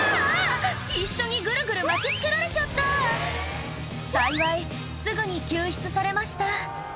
一緒にぐるぐる巻きつけられちゃった幸いすぐに救出されました